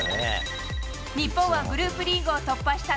日本はグループリーグを突破した